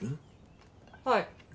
はい。